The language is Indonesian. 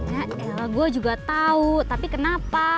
ya gue juga tahu tapi kenapa